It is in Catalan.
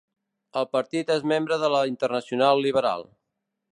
El partit és membre de la Internacional Liberal.